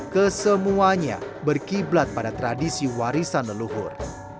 kesemuanya berkiblat pada tradisi warisan leluhur